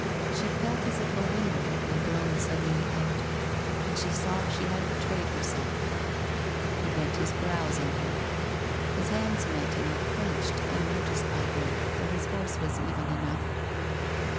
She felt as if a window had been blown suddenly out. And she taw she had betrayed herself. He bent his brows on her. WHITE ROSE OF WEARY LEAF 213 His hands met and were clenched, unnoticed by her, for his voice was even enough.